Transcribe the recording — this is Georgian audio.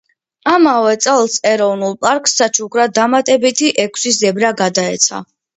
ამავე წელს ეროვნულ პარკს საჩუქრად დამატებით ექვსი ზებრა გადაეცა.